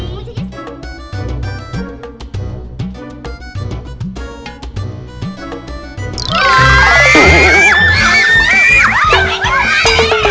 kalau caranya cuma kayak gini sih